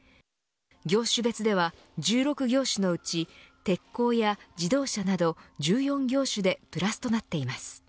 業種別では１６業種のうち鉄鋼や自動車など１４業種でプラスとなっています。